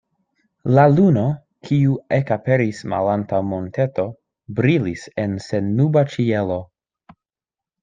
La luno, kiu ekaperis malantaŭ monteto, brilis en sennuba ĉielo.